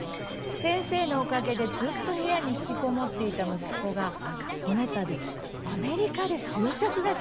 「先生のおかげでずっと部屋に引きこもっていた息子がこのたびアメリカで就職が決まりました」